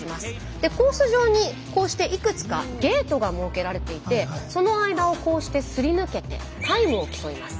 でコース上にこうしていくつかゲートが設けられていてその間をこうしてすり抜けてタイムを競います。